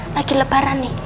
lagi lebaran nih